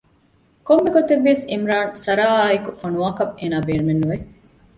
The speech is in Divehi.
ކޮންމެ ގޮތެއްވިޔަސް ޢިމްރާން ސަރާއާއެކު ފޮނުވާކަށް އޭނާ ބޭނުމެއް ނުވެ